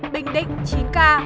bình định chín ca